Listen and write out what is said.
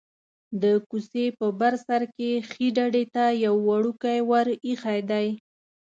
د کوڅې په بر سر کې ښيي ډډې ته یو وړوکی ور ایښی دی.